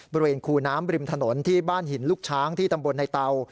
บริเวณคูน้ำริมถนนที่บ้านหินลูกช้างที่ตำบลในเตา